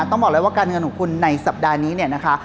ต้องบอกเลยว่าการเงินของคุณในสัปดาห์นี้เนี่ยนะคะ